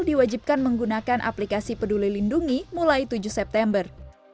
diwajibkan menggunakan aplikasi peduli lindungi mulai tujuh september